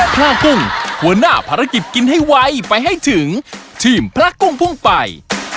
พระกุ้งหัวหน้าภารกิจกินให้ไวไปให้ถึงทีมพระกุ้งพุ่งไป